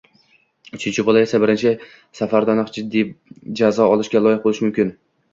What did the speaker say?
uchinchi bola esa birinchi safardanoq jiddiy jazo olishga loyiq bo‘lishi mumkin.